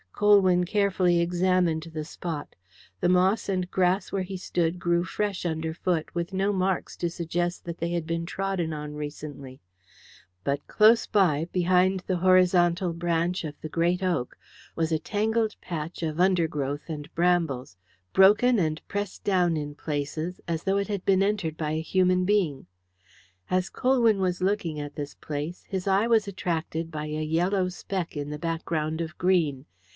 Colwyn carefully examined the spot. The moss and grass where he stood grew fresh underfoot, with no marks to suggest that they had been trodden on recently. But close by, behind the horizontal branch of the great oak, was a tangled patch of undergrowth and brambles, broken and pressed down in places, as though it had been entered by a human being. As Colwyn was looking at this place, his eye was attracted by a yellow speck in the background of green.